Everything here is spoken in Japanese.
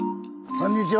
こんにちは。